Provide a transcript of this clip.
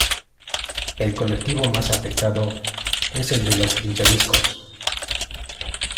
El colectivo más afectado es el de los pinchadiscos.